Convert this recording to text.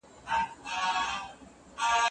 کارګران په فابریکو کي په خپلو کارونو بوخت دي.